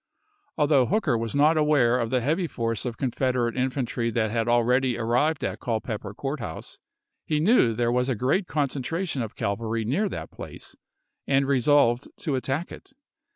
Although Hooker was not aware of the heavy force of Confederate infantry that had already ar rived at Culpeper Court House he knew there was a great concentration of cavalry near that place, and resolved to attack it.